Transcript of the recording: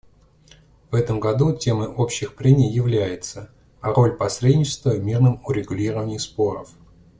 В этом году темой общих прений является «Роль посредничества в мирном урегулировании споров».